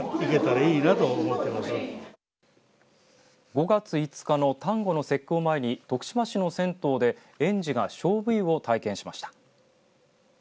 ５月５日の端午の節句を前に徳島市の銭湯で、園児がしょうぶ湯を体験しました。